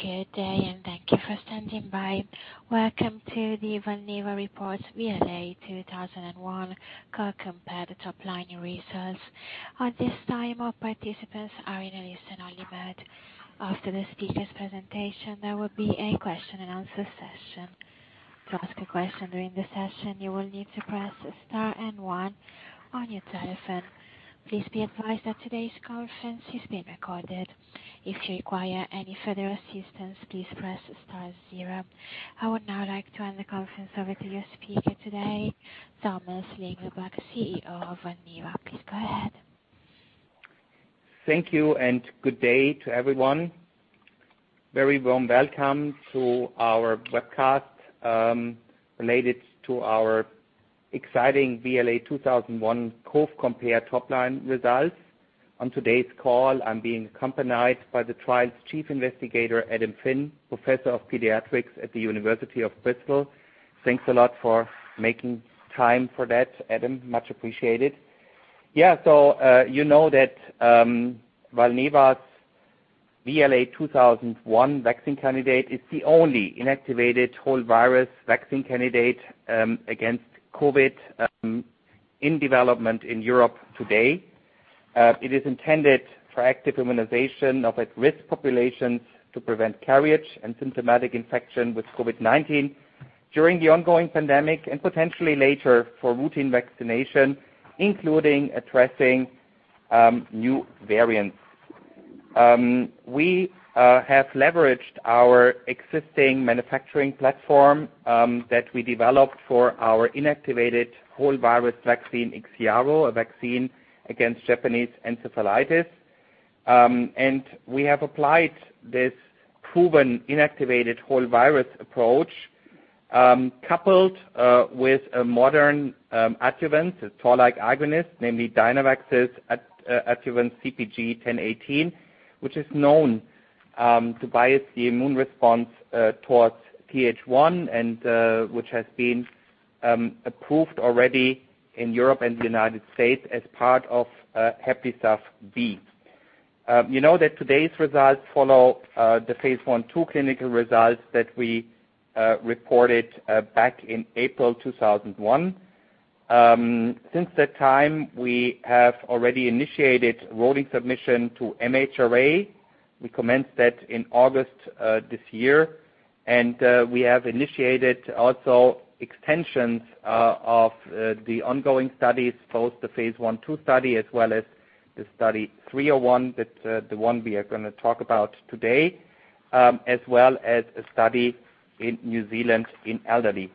Good day, and thank you for standing by. Welcome to the Valneva report VLA2001 Cov-Compare topline results. At this time, all participants are in a listen-only mode. After the speaker's presentation, there will be a question and answer session. To ask a question during the session, you will need to press Star and One on your telephone. Please be advised that today's conference is being recorded. If you require any further assistance, please press Star Zero. I would now like to hand the conference over to your speaker today, Thomas Lingelbach, CEO of Valneva. Please go ahead. Thank you, and good day to everyone. Very warm welcome to our webcast, related to our exciting VLA2001 Cov-Compare top-line results. On today's call, I am being accompanied by the trial's chief investigator, Adam Finn, Professor of Paediatrics at the University of Bristol. Thanks a lot for making time for that, Adam. Much appreciated. You know that Valneva's VLA2001 vaccine candidate is the only inactivated whole-virus vaccine candidate against COVID in development in Europe today. It is intended for active immunization of at-risk populations to prevent carriage and symptomatic infection with COVID-19 during the ongoing pandemic and potentially later for routine vaccination, including addressing new variants. We have leveraged our existing manufacturing platform that we developed for our inactivated whole-virus vaccine, IXIARO, a vaccine against Japanese encephalitis. We have applied this proven inactivated whole-virus approach, coupled with a modern adjuvant, a toll-like agonist, namely Dynavax's adjuvant CpG 1018, which is known to bias the immune response towards TH1 and which has been approved already in Europe and the U.S. as part of HEPLISAV-B. You know that today's results follow the phase I/II clinical results that we reported back in April 2001. Since that time, we have already initiated rolling submission to MHRA. We commenced that in August this year. We have initiated also extensions of the ongoing studies, both the phase I/II study as well as the study 301. That's the one we are going to talk about today, as well as a study in New Zealand in elderly.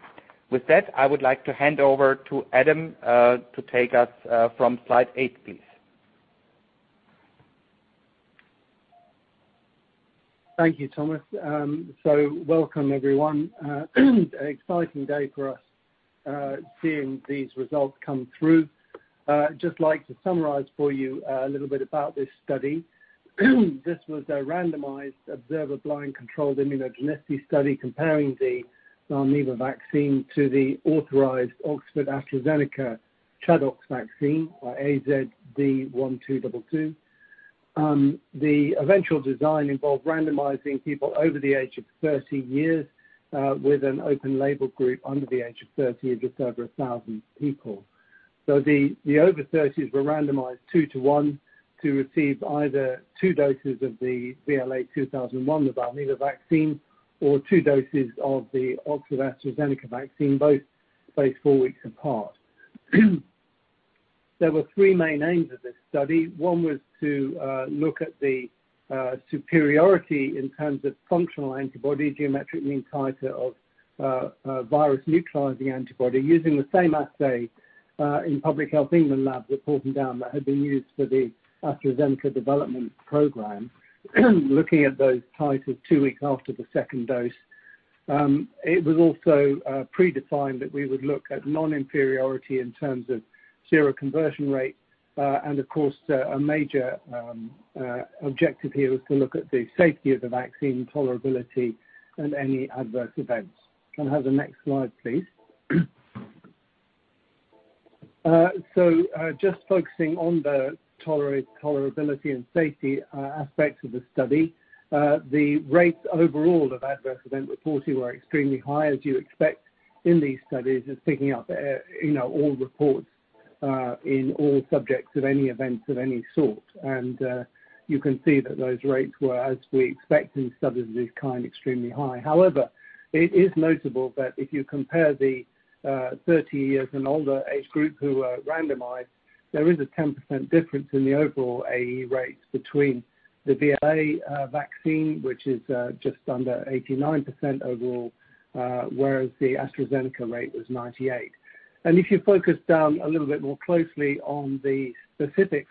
With that, I would like to hand over to Adam, to take us from slide eight, please. Thank you, Thomas. Welcome, everyone. An exciting day for us, seeing these results come through. Just like to summarize for you a little bit about this study. This was a randomized observer blind controlled immunogenicity study comparing the Valneva vaccine to the authorized Oxford-AstraZeneca ChAdOx vaccine or AZD1222. The eventual design involved randomizing people over the age of 30 years, with an open label group under the age of 30, just over 1,000 people. The over 30s were randomized 2:1 to receive either two doses of the VLA2001, the Valneva vaccine, or two doses of the Oxford-AstraZeneca vaccine, both spaced four weeks apart. There were three main aims of this study. One was to look at the superiority in terms of functional antibody, geometric mean titer of virus-neutralizing antibody using the same assay in Public Health England lab at Porton Down that had been used for the AstraZeneca development program. Looking at those titers two weeks after the second dose. It was also predefined that we would look at non-inferiority in terms of seroconversion rate. Of course, a major objective here was to look at the safety of the vaccine tolerability and any adverse events. Can I have the next slide, please? Just focusing on the tolerability and safety aspects of the study. The rates overall of adverse event reporting were extremely high, as you expect in these studies, as picking up all reports in all subjects of any events of any sort. You can see that those rates were as we expect in studies of this kind, extremely high. However, it is notable that if you compare the 30 years and older age group who were randomized, there is a 10% difference in the overall AE rates between the VLA vaccine, which is just under 89% overall, whereas the AstraZeneca rate was 98%. If you focus down a little bit more closely on the specific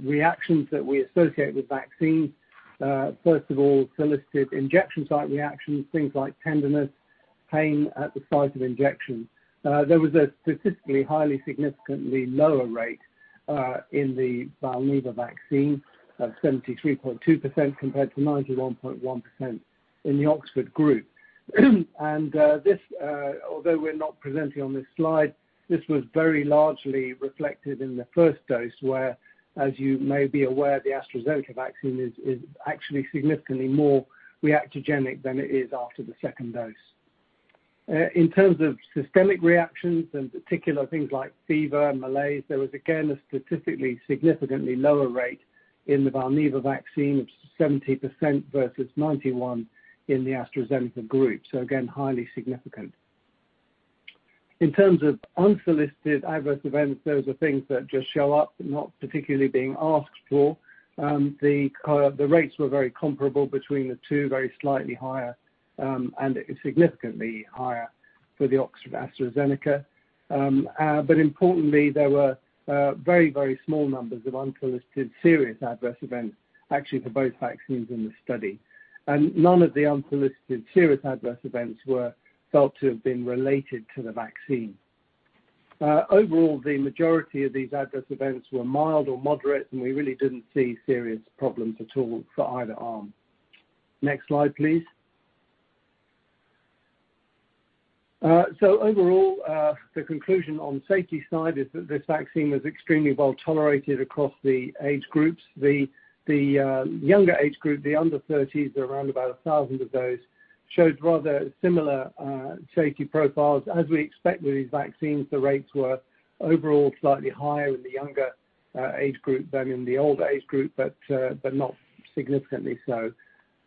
reactions that we associate with vaccines. First of all, solicited injection site reactions, things like tenderness, pain at the site of injection. There was a statistically highly significantly lower rate in the Valneva vaccine of 73.2% compared to 91.1% in the Oxford group. Although we're not presenting on this slide, this was very largely reflected in the first dose, where, as you may be aware, the AstraZeneca vaccine is actually significantly more reactogenic than it is after the second dose. In terms of systemic reactions, in particular things like fever and malaise, there was, again, a statistically significantly lower rate in the Valneva vaccine of 70% versus 91% in the AstraZeneca group. Again, highly significant. In terms of unsolicited adverse events, those are things that just show up, not particularly being asked for, the rates were very comparable between the two, very slightly higher, and significantly higher for the Oxford-AstraZeneca. Importantly, there were very, very small numbers of unsolicited serious adverse events actually for both vaccines in the study. None of the unsolicited serious adverse events were felt to have been related to the vaccine. Overall, the majority of these adverse events were mild or moderate, and we really didn't see serious problems at all for either arm. Next slide, please. Overall, the conclusion on safety side is that this vaccine was extremely well-tolerated across the age groups. The younger age group, the under 30s, there were around about 1,000 of those, showed rather similar safety profiles. As we expect with these vaccines, the rates were overall slightly higher in the younger age group than in the older age group, but not significantly so.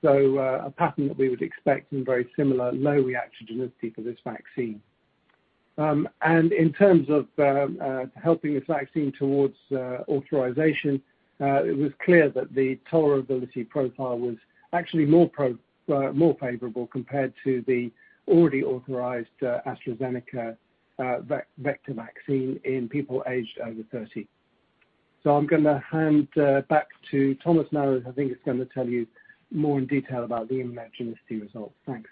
A pattern that we would expect and very similar low reactogenicity for this vaccine. In terms of helping this vaccine towards authorization, it was clear that the tolerability profile was actually more favorable compared to the already authorized AstraZeneca vector vaccine in people aged over 30. I'm going to hand back to Thomas now, who I think is going to tell you more in detail about the immunogenicity results. Thanks.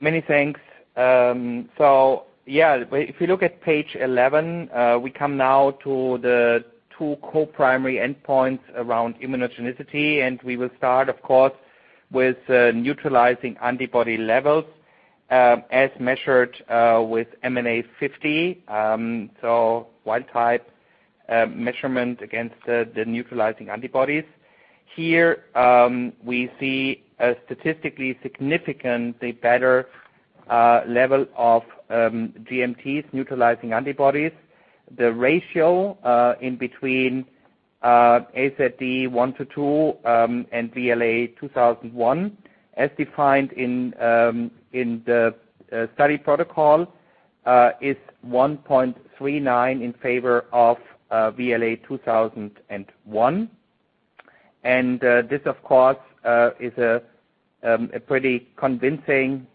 Many thanks. If you look at page 11, we come now to the two co-primary endpoints around immunogenicity, we will start, of course, with neutralizing antibody levels, as measured with MNA50, wild type measurement against the neutralizing antibodies. Here, we see a statistically significantly better level of GMTs neutralizing antibodies. The ratio, in between AZD1222 and VLA2001, as defined in the study protocol, is 1.39 in favor of VLA2001. This, of course, is a pretty convincing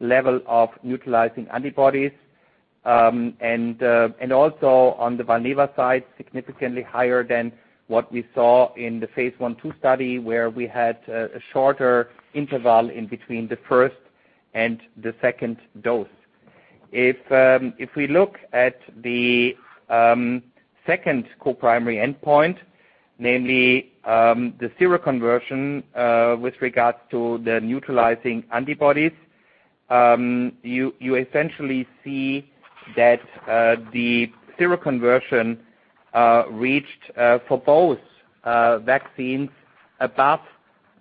level of neutralizing antibodies. Also on the Valneva side, significantly higher than what we saw in the phase I/II study where we had a shorter interval in between the first and the second dose. If we look at the second co-primary endpoint, namely the seroconversion, with regards to the neutralizing antibodies, you essentially see that the seroconversion reached for both vaccines above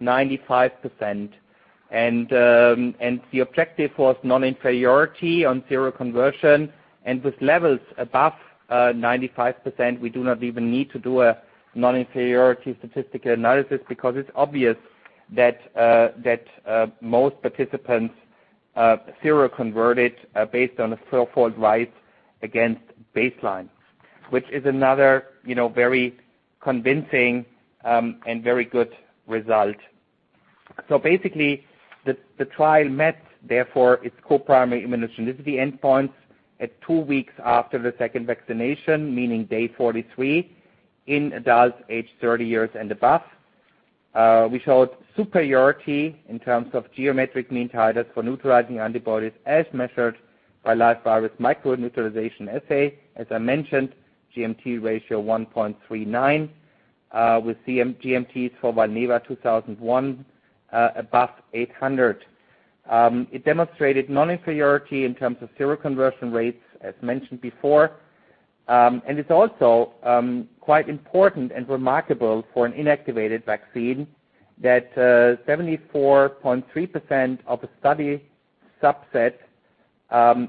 95%. The objective was non-inferiority on seroconversion. With levels above 95%, we do not even need to do a non-inferiority statistical analysis because it's obvious that most participants seroconverted based on a four-fold rise against baseline, which is another very convincing and very good result. Basically, the trial met, therefore, its co-primary immunogenicity endpoints at two weeks after the second vaccination, meaning day 43, in adults aged 30 years and above. We showed superiority in terms of geometric mean titers for neutralizing antibodies as measured by live virus micro-neutralization assay. As I mentioned, GMT ratio 1.39, with GMTs for VLA2001 above 800. It demonstrated non-inferiority in terms of seroconversion rates, as mentioned before. It's also quite important and remarkable for an inactivated vaccine that 74.3% of the study subset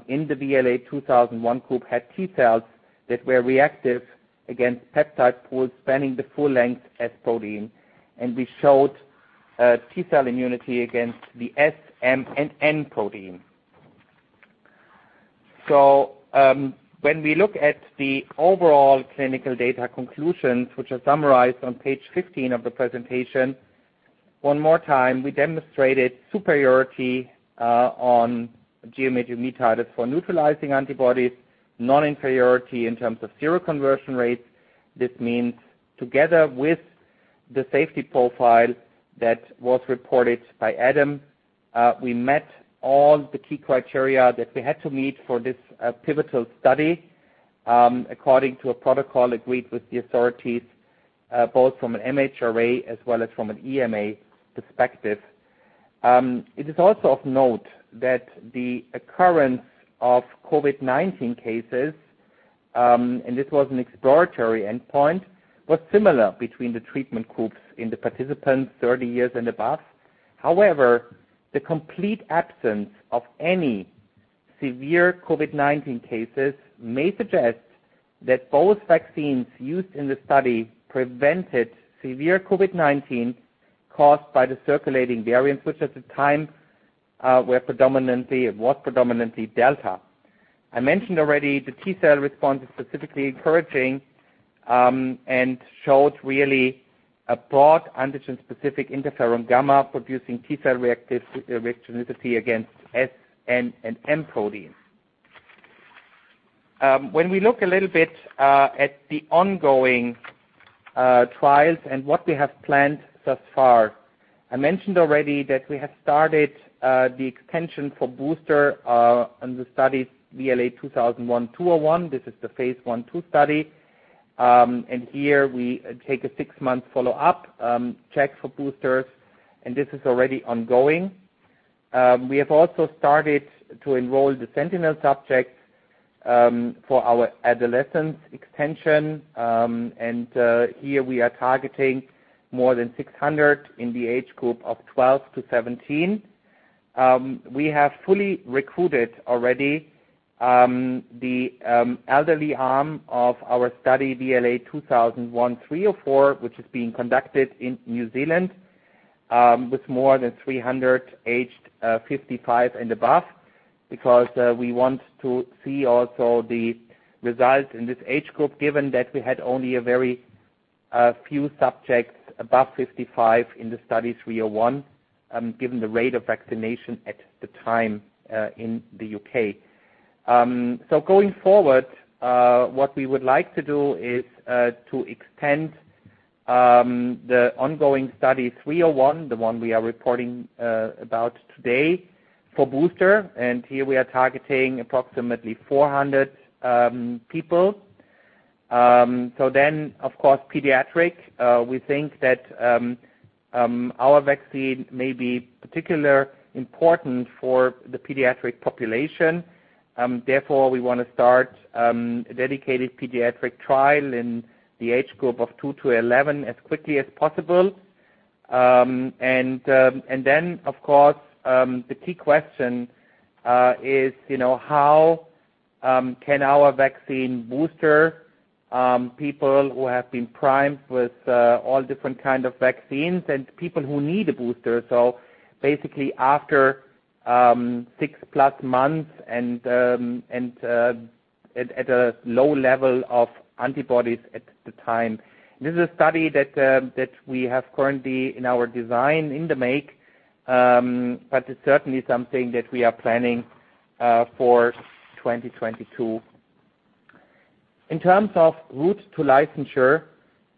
in the VLA2001 group had T cells that were reactive against peptide pools spanning the full length S protein, and we showed T-cell immunity against the S, M, and N protein. When we look at the overall clinical data conclusions, which are summarized on page 15 of the presentation, one more time, we demonstrated superiority on geometric mean titers for neutralizing antibodies, non-inferiority in terms of seroconversion rates. This means together with the safety profile that was reported by Adam, we met all the key criteria that we had to meet for this pivotal study, according to a protocol agreed with the authorities, both from an MHRA as well as from an EMA perspective. It is also of note that the occurrence of COVID-19 cases and this was an exploratory endpoint, was similar between the treatment groups in the participants 30 years and above. However, the complete absence of any severe COVID-19 cases may suggest that both vaccines used in the study prevented severe COVID-19 caused by the circulating variants, which at the time was predominantly Delta. I mentioned already the T-cell response is specifically encouraging and showed really a broad antigen-specific interferon gamma producing T-cell reactivity against S, N, and M proteins. When we look a little bit at the ongoing trials and what we have planned thus far, I mentioned already that we have started the extension for booster on the studies VLA2001-201. This is the phase I/II study. Here we take a 6-month follow-up check for boosters, and this is already ongoing. We have also started to enroll the sentinel subjects for our adolescent extension. Here we are targeting more than 600 in the age group of 12-17. We have fully recruited already the elderly arm of our study, VLA2001-304, which is being conducted in New Zealand, with more than 300 aged 55 and above. Because we want to see also the results in this age group, given that we had only a very few subjects above 55 in the study 301, given the rate of vaccination at the time in the U.K. Going forward, what we would like to do is to extend the ongoing study 301, the one we are reporting about today for booster. Here we are targeting approximately 400 people. Of course, pediatric. We think that our vaccine may be particularly important for the pediatric population. Therefore, we want to start a dedicated pediatric trial in the age group of two to 11 as quickly as possible. Of course, the key question is how can our vaccine booster people who have been primed with all different kind of vaccines and people who need a booster. Basically after 6+ months and at a low level of antibodies at the time. This is a study that we have currently in our design in the make, but it's certainly something that we are planning for 2022. In terms of route to licensure,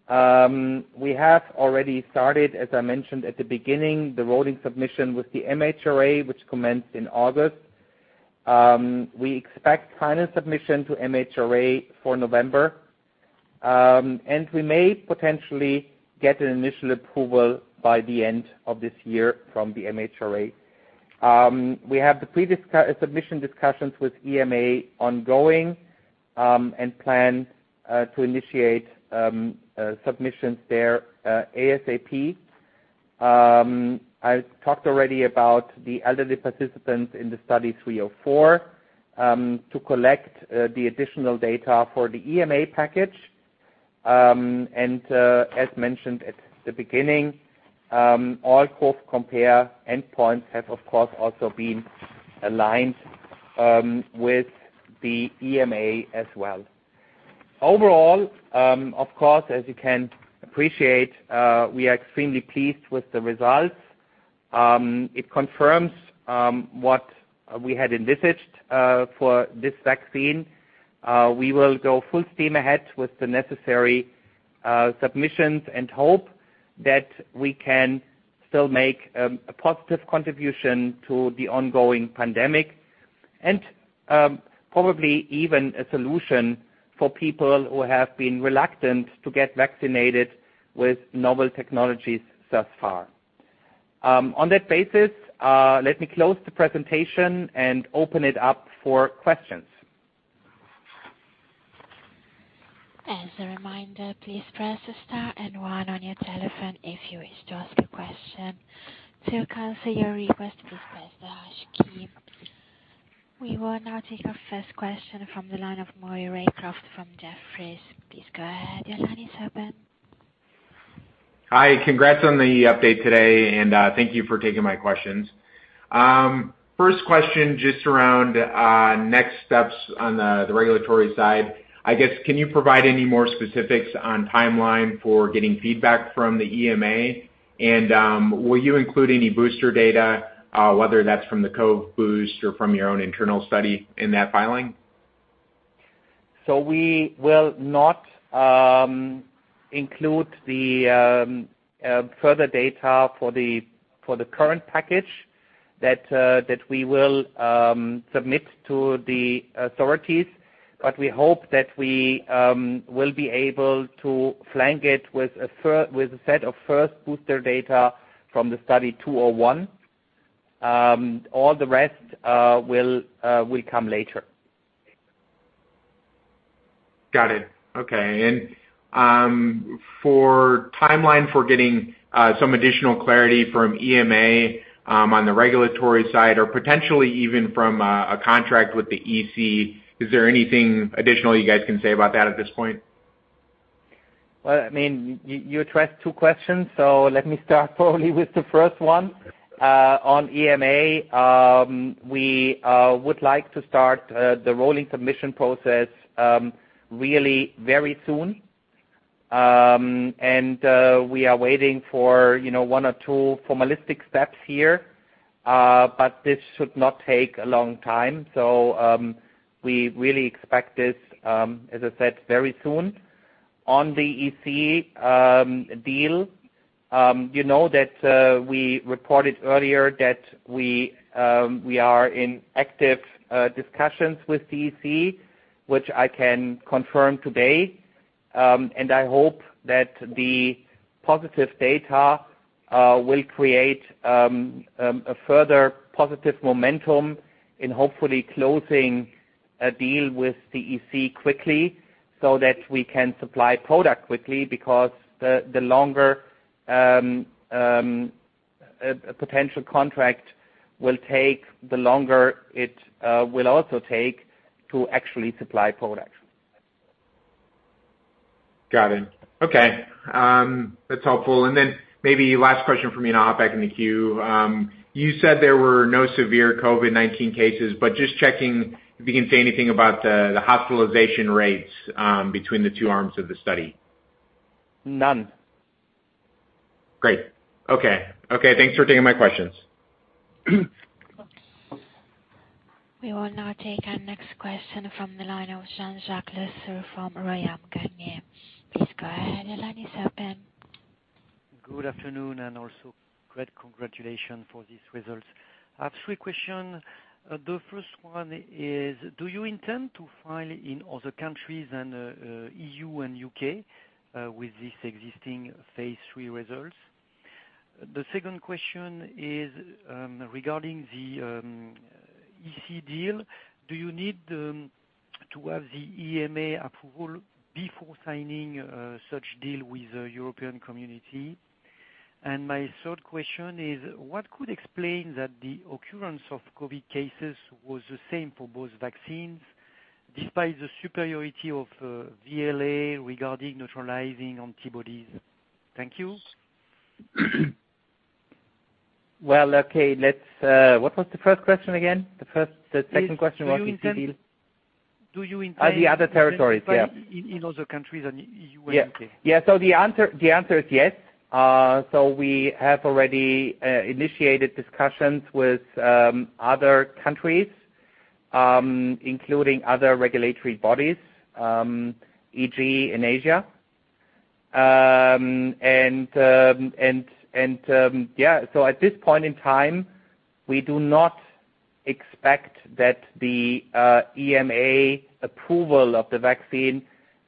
we have already started, as I mentioned at the beginning, the rolling submission with the MHRA, which commenced in August. We expect final submission to MHRA for November. We may potentially get an initial approval by the end of this year from the MHRA. We have the pre-submission discussions with EMA ongoing, and plan to initiate submissions there ASAP. I talked already about the elderly participants in the study VLA2001-304 to collect the additional data for the EMA package. As mentioned at the beginning, all Cov-Compare endpoints have, of course, also been aligned with the EMA as well. Overall, of course, as you can appreciate, we are extremely pleased with the results. It confirms what we had envisaged for this vaccine. We will go full steam ahead with the necessary submissions and hope that we can still make a positive contribution to the ongoing pandemic, and probably even a solution for people who have been reluctant to get vaccinated with novel technologies thus far. On that basis, let me close the presentation and open it up for questions. As a reminder, please press star and one on your telephone if you wish to ask a question. To cancel your request, please press hash key. We will now take our first question from the line of Maury Raycroft from Jefferies. Please go ahead. Your line is open. Hi. Congrats on the update today, and thank you for taking my questions. First question, just around next steps on the regulatory side. I guess, can you provide any more specifics on timeline for getting feedback from the EMA? Will you include any booster data, whether that's from the COV-BOOST or from your own internal study in that filing? We will not include the further data for the current package that we will submit to the authorities. We hope that we will be able to flank it with a set of first booster data from the study 201. All the rest will come later. Got it. Okay. For timeline for getting some additional clarity from EMA on the regulatory side, or potentially even from a contract with the EC, is there anything additional you guys can say about that at this point? Well, you addressed two questions. Let me start probably with the first one. On EMA, we would like to start the rolling submission process really very soon. We are waiting for one or two formalistic steps here, but this should not take a long time. We really expect this, as I said, very soon. On the EC deal, you know that we reported earlier that we are in active discussions with EC, which I can confirm today. I hope that the positive data will create a further positive momentum in hopefully closing a deal with EC quickly so that we can supply product quickly, because the longer a potential contract will take, the longer it will also take to actually supply products. Got it. Okay. That's helpful. Maybe last question from me and I'll hop back in the queue. You said there were no severe COVID-19 cases, but just checking if you can say anything about the hospitalization rates between the two arms of the study. None. Great. Okay. Thanks for taking my questions. We will now take our next question from the line of Jean-Jacques Le Fur from Oddo BHF. Please go ahead. Your line is open. Good afternoon, also great congratulation for these results. I have three questions. The first one is, do you intend to file in other countries than EU and U.K. with this existing phase III results? The second question is regarding the EC deal, do you need to have the EMA approval before signing such deal with the European Commission? My third question is, what could explain that the occurrence of COVID-19 cases was the same for both vaccines, despite the superiority of VLA regarding neutralizing antibodies? Thank you. Well, okay. What was the first question again? The second question was EC deal. Do you intend- The other territories, yeah. in other countries than EU and U.K.? Yeah. The answer is yes. We have already initiated discussions with other countries, including other regulatory bodies, e.g., in Asia. Yeah, at this point in time, we do not expect that the EMA approval of the vaccine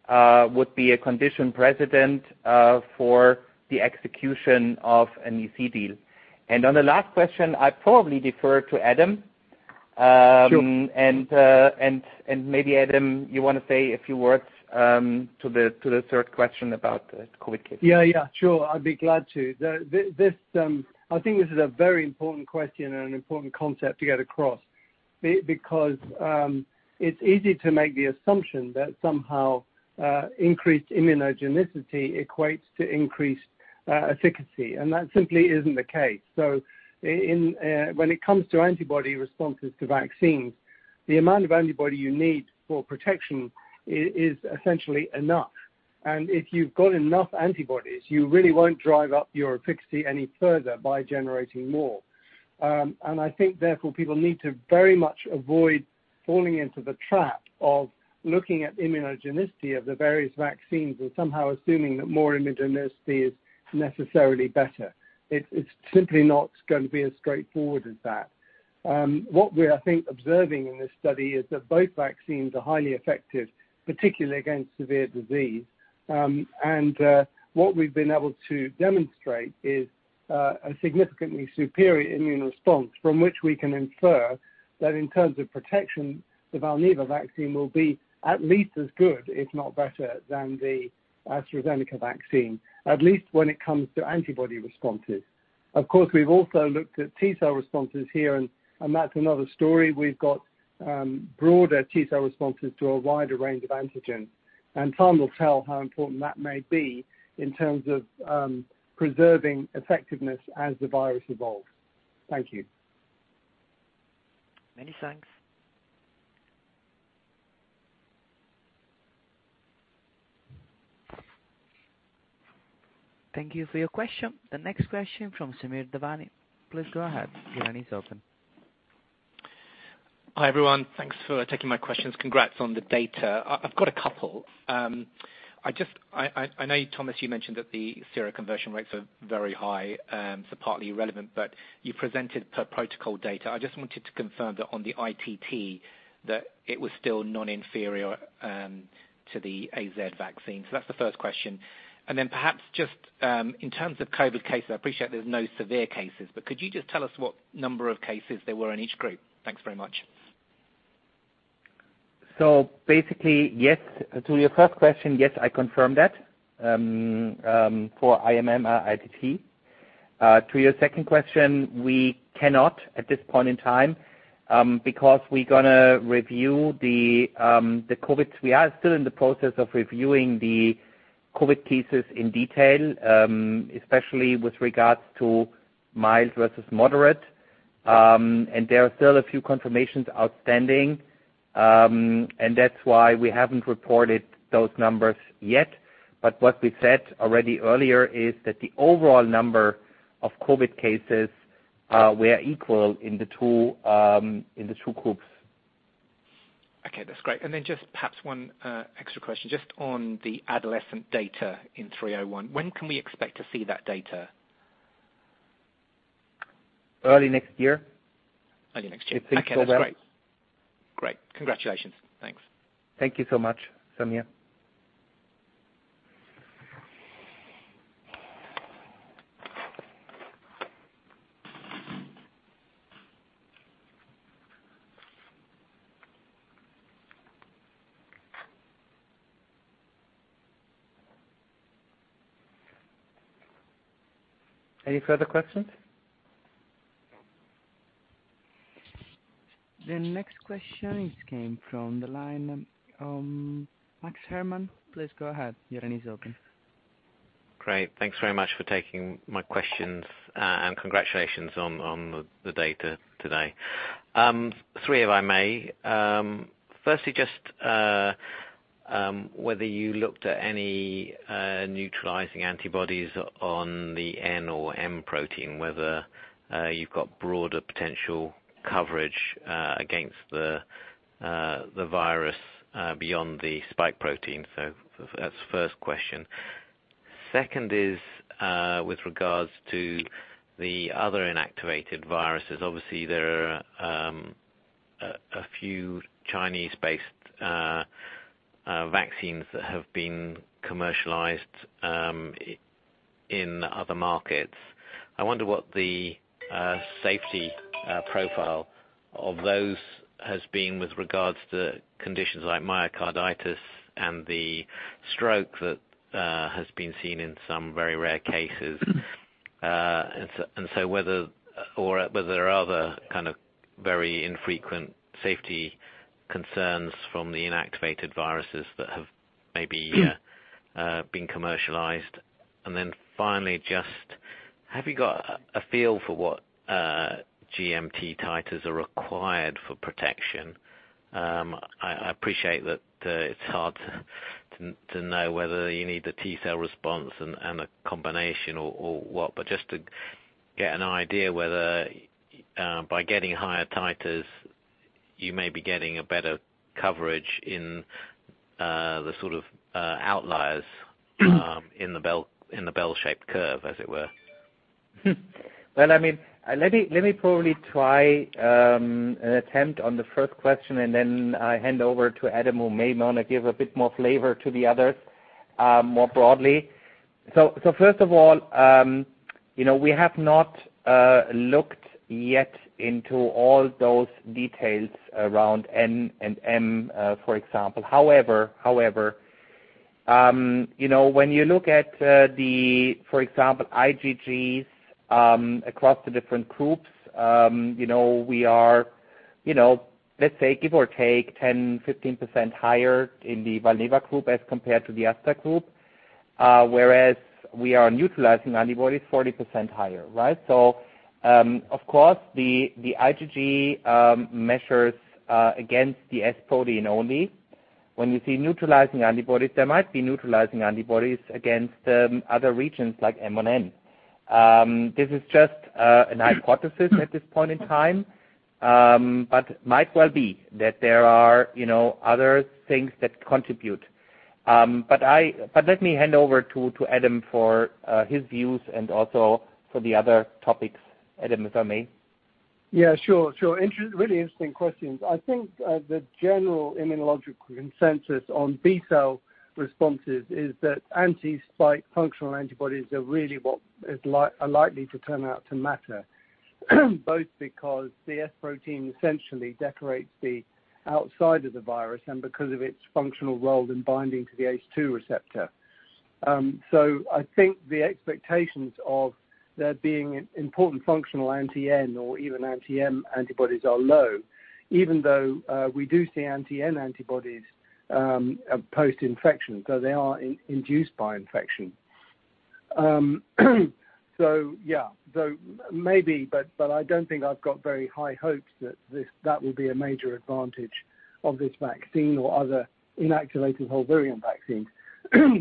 would be a condition precedent for the execution of an EC deal. On the last question, I probably defer to Adam. Sure. Maybe Adam, you want to say a few words to the third question about COVID cases? Yeah. Sure. I'd be glad to. I think this is a very important question and an important concept to get across, because it's easy to make the assumption that somehow increased immunogenicity equates to increased efficacy, and that simply isn't the case. When it comes to antibody responses to vaccines, the amount of antibody you need for protection is essentially enough. If you've got enough antibodies, you really won't drive up your efficacy any further by generating more. I think, therefore, people need to very much avoid falling into the trap of looking at immunogenicity of the various vaccines and somehow assuming that more immunogenicity is necessarily better. It's simply not going to be as straightforward as that. What we're, I think, observing in this study is that both vaccines are highly effective, particularly against severe disease. What we've been able to demonstrate is a significantly superior immune response from which we can infer that in terms of protection, the Valneva vaccine will be at least as good, if not better, than the AstraZeneca vaccine. At least when it comes to antibody responses. Of course, we've also looked at T-cell responses here, and that's another story. We've got broader T-cell responses to a wider range of antigens, and time will tell how important that may be in terms of preserving effectiveness as the virus evolves. Thank you. Many thanks. Thank you for your question. The next question from Samir Devani. Please go ahead. Your line is open. Hi, everyone. Thanks for taking my questions. Congrats on the data. I've got a couple. I know Thomas, you mentioned that the seroconversion rates are very high, so partly irrelevant, but you presented per-protocol data. I just wanted to confirm that on the ITT, that it was still non-inferior to the AZ vaccine. That's the first question. Perhaps just in terms of COVID cases, I appreciate there's no severe cases, but could you just tell us what number of cases there were in each group? Thanks very much. Basically, yes. To your first question, yes, I confirm that for IMM, ITT. To your second question, we cannot at this point in time. We are still in the process of reviewing the COVID-19 cases in detail, especially with regards to mild versus moderate. There are still a few confirmations outstanding, and that's why we haven't reported those numbers yet. What we said already earlier is that the overall number of COVID-19 cases were equal in the two groups. Okay, that's great. Just perhaps one extra question just on the adolescent data in 301. When can we expect to see that data? Early next year. Early next year. If it goes well. Okay, that's great. Great. Congratulations. Thanks. Thank you so much, Samir. Any further questions? The next question came from the line, Max Herrmann. Please go ahead. Your line is open. Great. Thanks very much for taking my questions. Congratulations on the data today. Three, if I may. Firstly, just whether you looked at any neutralizing antibodies on the N or M protein, whether you've got broader potential coverage against the virus beyond the spike protein. That's the first question. Second is, with regards to the other inactivated viruses. Obviously, there are a few Chinese-based vaccines that have been commercialized in other markets. I wonder what the safety profile of those has been with regards to conditions like myocarditis and the stroke that has been seen in some very rare cases. Whether there are other kind of very infrequent safety concerns from the inactivated viruses that have maybe been commercialized. Finally, just have you got a feel for what GMT titers are required for protection? I appreciate that it's hard to know whether you need the T-cell response and a combination or what, but just to get an idea whether by getting higher titers, you may be getting a better coverage in the sort of outliers in the bell-shaped curve, as it were. Let me probably try an attempt on the first question, and then I hand over to Adam, who may want to give a bit more flavor to the others more broadly. First of all, we have not looked yet into all those details around N and M, for example. When you look at the, for example, IGGs across the different groups, we are let's say, give or take 10%, 15% higher in the Valneva group as compared to the Astra group, whereas we are neutralizing antibodies 40% higher, right? Of course, the IGG measures against the S protein only. When you see neutralizing antibodies, there might be neutralizing antibodies against other regions like M and N. This is just an hypothesis at this point in time, but might well be that there are other things that contribute. Let me hand over to Adam for his views and also for the other topics. Adam, if I may. Sure. Really interesting questions. I think the general immunological consensus on B-cell responses is that anti-spike functional antibodies are really what are likely to turn out to matter, both because the S protein essentially decorates the outside of the virus and because of its functional role in binding to the ACE2 receptor. I think the expectations of there being important functional anti-N or even anti-M antibodies are low, even though we do see anti-N antibodies post-infection, so they are induced by infection. I don't think I've got very high hopes that will be a major advantage of this vaccine or other inactivated whole virion vaccines.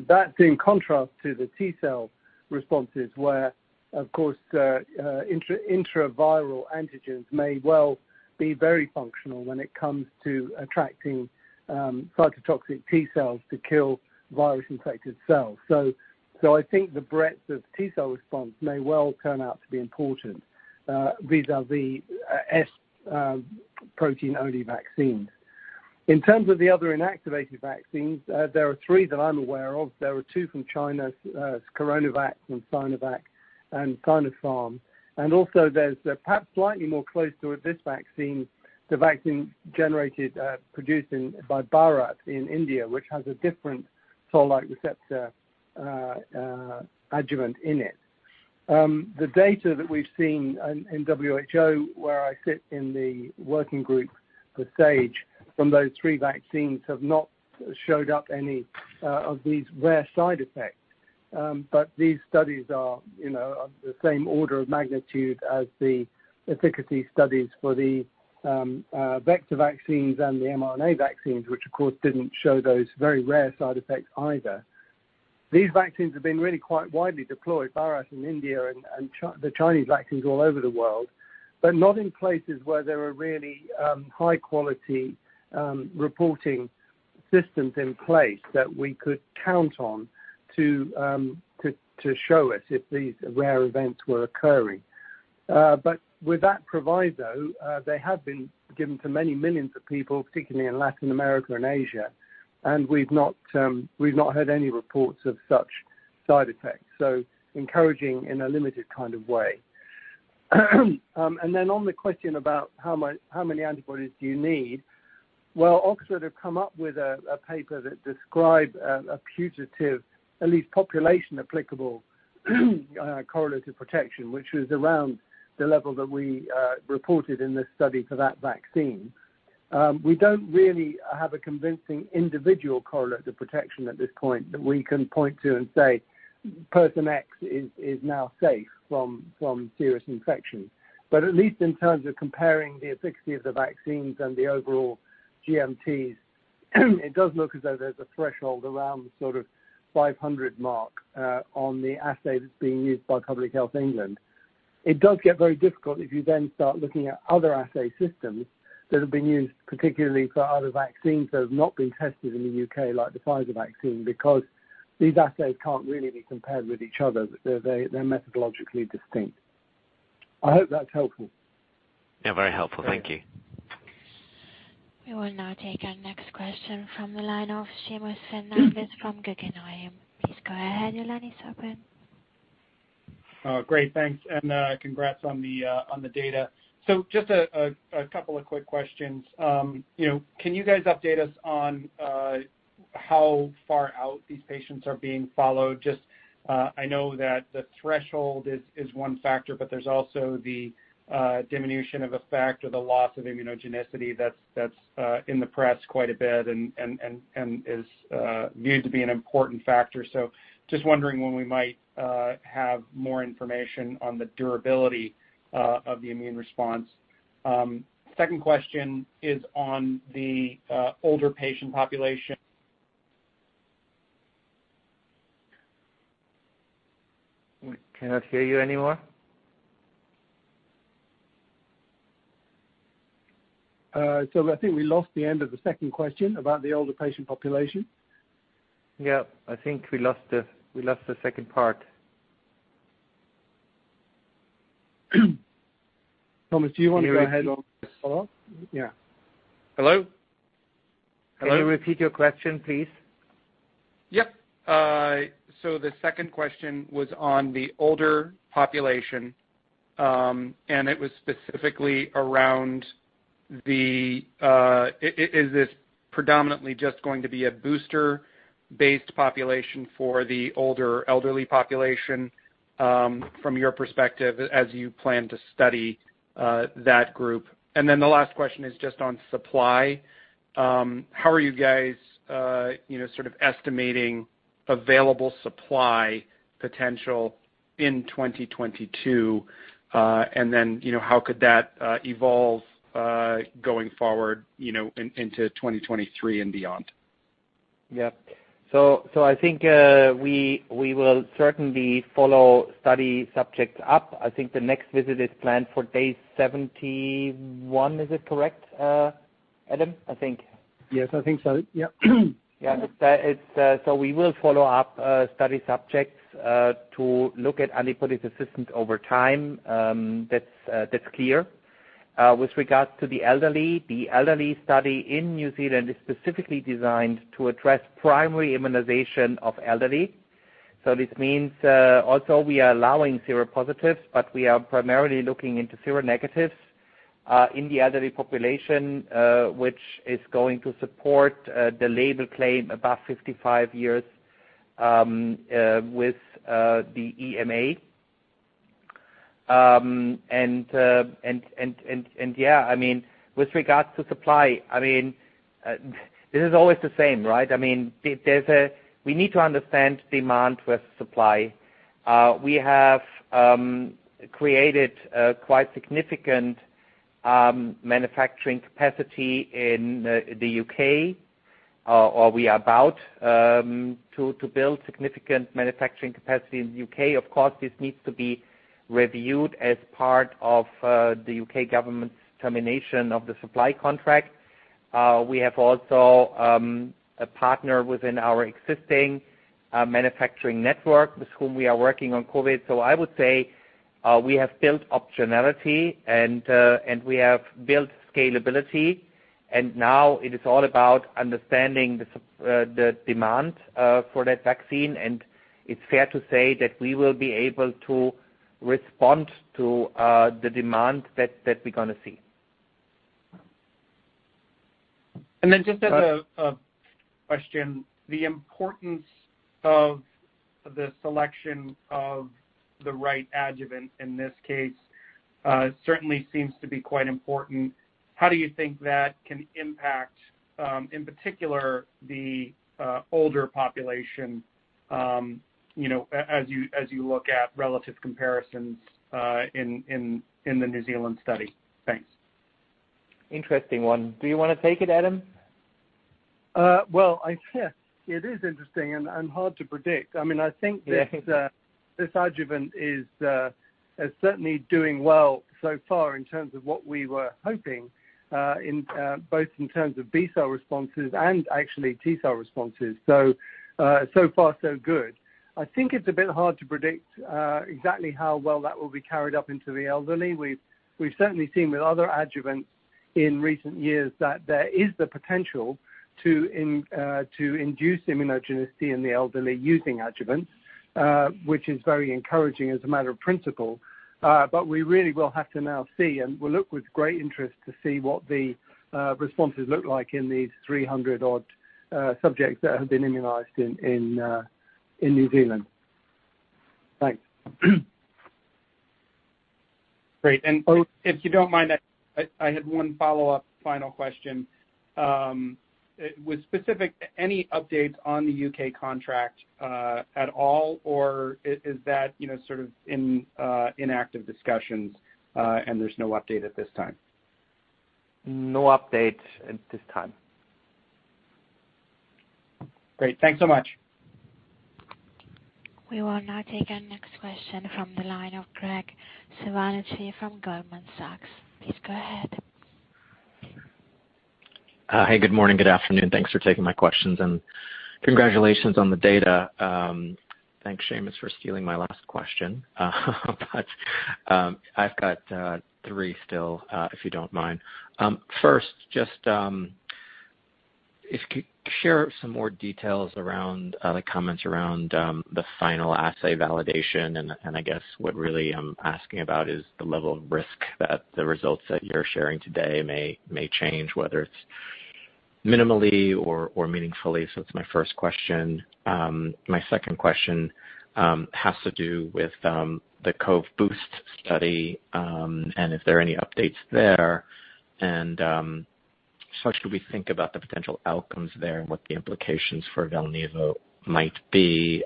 That's in contrast to the T-cell responses, where, of course, the intra-viral antigens may well be very functional when it comes to attracting cytotoxic T-cells to kill virus-infected cells. I think the breadth of T-cell response may well turn out to be important vis-a-vis S protein only vaccines. In terms of the other inactivated vaccines, there are three that I'm aware of. There are from China, CoronaVac from Sinovac and Sinopharm. Also there's perhaps slightly more close to this vaccine, the vaccine generated, produced by Bharat in India, which has a different cell-like receptor adjuvant in it. The data that we've seen in WHO, where I sit in the working group for SAGE, from those three vaccines have not showed up any of these rare side effects. These studies are of the same order of magnitude as the efficacy studies for the vector vaccines and the mRNA vaccines, which, of course, didn't show those very rare side effects either. These vaccines have been really quite widely deployed, Bharat in India and the Chinese vaccines all over the world, but not in places where there are really high-quality reporting systems in place that we could count on to show us if these rare events were occurring. With that proviso, they have been given to many millions of people, particularly in Latin America and Asia, and we've not heard any reports of such side effects, so encouraging in a limited kind of way. On the question about how many antibodies do you need, well, Oxford have come up with a paper that describe a putative, at least population applicable, correlative protection, which was around the level that we reported in this study for that vaccine. We don't really have a convincing individual correlate of protection at this point that we can point to and say, "Person X is now safe from serious infections." At least in terms of comparing the efficacy of the vaccines and the overall GMTs, it does look as though there's a threshold around the 500 mark on the assay that's being used by Public Health England. It does get very difficult if you then start looking at other assay systems that have been used, particularly for other vaccines that have not been tested in the U.K., like the Pfizer vaccine, because these assays can't really be compared with each other. They're methodologically distinct. I hope that's helpful. Yeah, very helpful. Thank you. We will now take our next question from the line of Seamus Fernandez from Guggenheim. Please go ahead. Your line is open. Great. Thanks, congrats on the data. Just a couple of quick questions. Can you guys update us on how far out these patients are being followed? Just, I know that the threshold is one factor, but there's also the diminution of effect or the loss of immunogenicity that's in the press quite a bit and is viewed to be an important factor. Just wondering when we might have more information on the durability of the immune response. Second question is on the older patient population. We cannot hear you anymore. I think we lost the end of the second question about the older patient population. Yeah, I think we lost the second part. Thomas, do you want to go ahead and follow up? Yeah. Hello? Hello? Can you repeat your question, please? Yep. The second question was on the older population, and it was specifically around, is this predominantly just going to be a booster-based population for the older elderly population, from your perspective, as you plan to study that group? The last question is just on supply. How are you guys estimating available supply potential in 2022? How could that evolve going forward into 2023 and beyond? Yeah. I think we will certainly follow study subjects up. I think the next visit is planned for day 71. Is it correct, Adam? I think. Yes, I think so. Yep. We will follow up study subjects to look at antibody persistence over time. That's clear. With regards to the elderly, the elderly study in New Zealand is specifically designed to address primary immunization of elderly. This means, also we are allowing seropositives, but we are primarily looking into seronegatives, in the elderly population, which is going to support the label claim above 55 years with the EMA. With regards to supply, this is always the same, right? We need to understand demand with supply. We have created a quite significant manufacturing capacity in the U.K., or we are about to build significant manufacturing capacity in the U.K. Of course, this needs to be reviewed as part of the U.K. government's termination of the supply contract. We have also a partner within our existing manufacturing network with whom we are working on COVID-19. I would say we have built optionality, and we have built scalability, and now it is all about understanding the demand for that vaccine. It's fair to say that we will be able to respond to the demand that we're going to see. Just as a question, the importance of the selection of the right adjuvant in this case certainly seems to be quite important. How do you think that can impact, in particular, the older population as you look at relative comparisons in the New Zealand study? Thanks. Interesting one. Do you want to take it, Adam? Well, yes, it is interesting and hard to predict. I think this adjuvant is certainly doing well so far in terms of what we were hoping, both in terms of B cell responses and actually T cell responses. So far so good. I think it's a bit hard to predict exactly how well that will be carried up into the elderly. We've certainly seen with other adjuvants in recent years that there is the potential to induce immunogenicity in the elderly using adjuvants which is very encouraging as a matter of principle. We really will have to now see, and we'll look with great interest to see what the responses look like in these 300 odd subjects that have been immunized in New Zealand. Thanks. Great. If you don't mind, I had one follow-up final question. Any updates on the U.K. contract at all, or is that sort of in active discussions and there's no update at this time? No update at this time. Great. Thanks so much. We will now take our next question from the line of Greg Skibinsky from Goldman Sachs. Please go ahead. Hey, good morning, good afternoon. Thanks for taking my questions, and congratulations on the data. Thanks, Seamus, for stealing my last question. I've got three still, if you don't mind. First, just if you could share some more details around the comments around the final assay validation, and I guess what really I'm asking about is the level of risk that the results that you're sharing today may change, whether it's minimally or meaningfully. That's my first question. My second question has to do with the COV-BOOST study and if there are any updates there, how should we think about the potential outcomes there and what the implications for Valneva might be.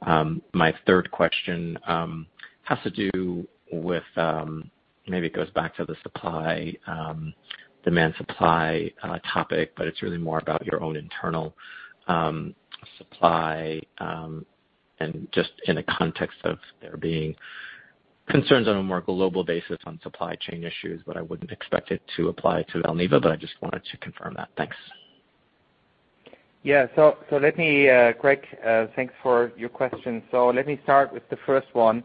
My third question has to do with maybe it goes back to the demand-supply topic, but it's really more about your own internal supply and just in the context of there being concerns on a more global basis on supply chain issues. I wouldn't expect it to apply to Valneva, but I just wanted to confirm that. Thanks. Greg, thanks for your question. Let me start with the first one.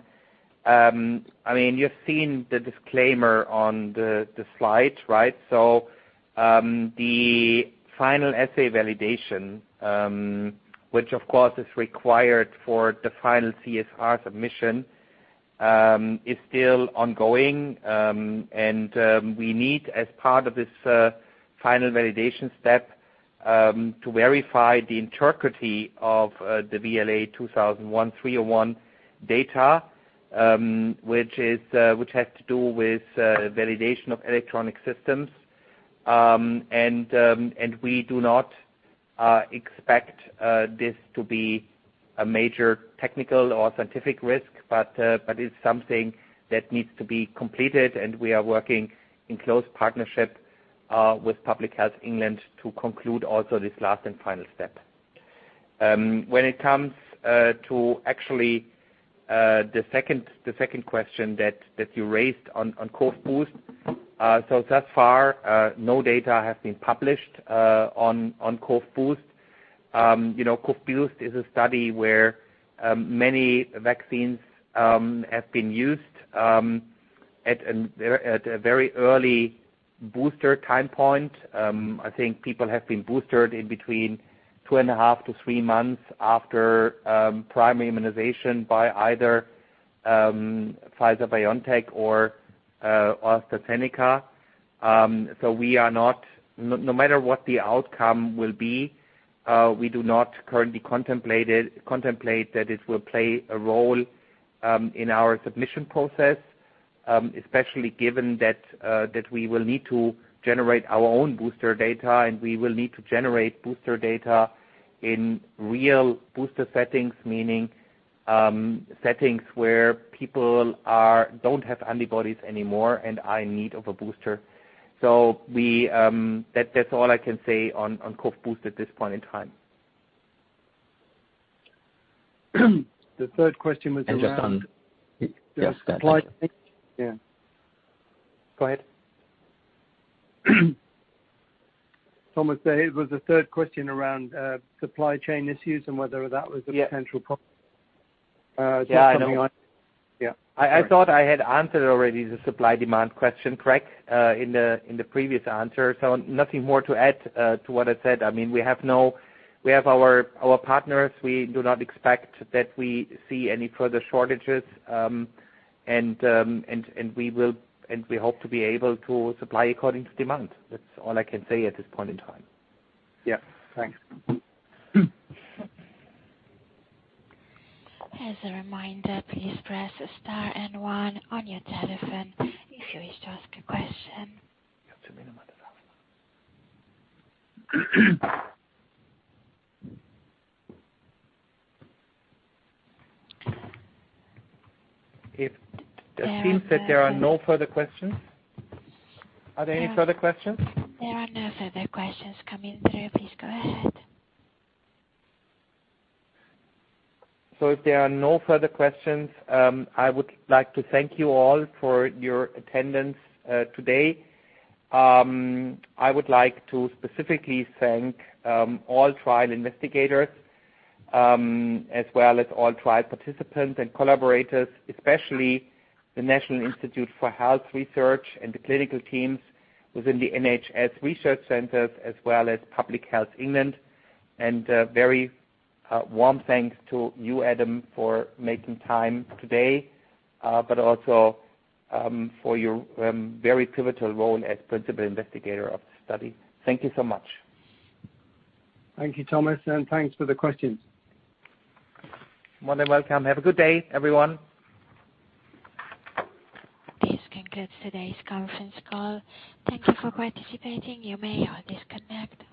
You've seen the disclaimer on the slide, right? The final assay validation which of course is required for the final CSR submission is still ongoing. We need, as part of this final validation step, to verify the integrity of the VLA2001-301 data which has to do with validation of electronic systems. We do not expect this to be a major technical or scientific risk, but it's something that needs to be completed, and we are working in close partnership with Public Health England to conclude also this last and final step. When it comes to actually the second question that you raised on COV-BOOST. Thus far, no data has been published on COV-BOOST. COV-BOOST is a study where many vaccines have been used at a very early booster time point. I think people have been boostered in between 2.5-3 months after primary immunization by either Pfizer-BioNTech or AstraZeneca. No matter what the outcome will be we do not currently contemplate that it will play a role in our submission process especially given that we will need to generate our own booster data, and we will need to generate booster data in real booster settings, meaning settings where people don't have antibodies anymore and are in need of a booster. That's all I can say on COV-BOOST at this point in time. The third question was around. Just Yes, that. Supply chain. Yeah. Go ahead. Thomas, it was the third question around supply chain issues and whether that was a potential problem. Yeah, I know. From the- Yeah. I thought I had answered already the supply-demand question, Greg, in the previous answer. Nothing more to add to what I said. We have our partners. We do not expect that we see any further shortages. We hope to be able to supply according to demand. That's all I can say at this point in time. Yeah. Thanks. As a reminder, please press star and one on your telephone if you wish to ask a question. It seems that there are no further questions. Are there any further questions? There are no further questions coming through. Please go ahead. If there are no further questions, I would like to thank you all for your attendance today. I would like to specifically thank all trial investigators as well as all trial participants and collaborators, especially the National Institute for Health and Care Research and the clinical teams within the NHS research centers as well as Public Health England. Very warm thanks to you, Adam, for making time today but also for your very pivotal role as Principal Investigator of the study. Thank you so much. Thank you, Thomas, and thanks for the questions. More than welcome. Have a good day, everyone. This concludes today's conference call. Thank you for participating. You may all disconnect.